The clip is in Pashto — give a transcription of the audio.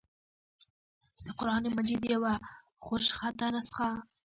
دَقرآن مجيد يوه خوشخطه نسخه